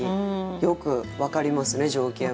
よく分かりますね情景も。